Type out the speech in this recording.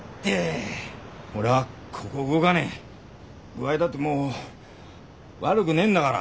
具合だってもう悪くねえんだから。